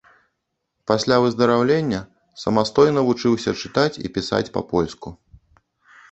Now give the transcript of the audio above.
Пасля выздараўлення самастойна вучыўся чытаць і пісаць па-польску.